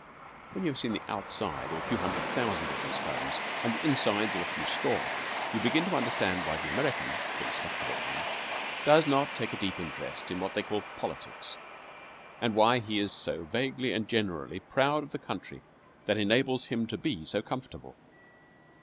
When you have seen the outside of a few hundred thousand of these homes and the insides of a few score, you begin to understand why the American (the respectable one) does not take a deep interest in what they call "politics," and why he is so vaguely and generally proud of the country that enables him to be so comfortable.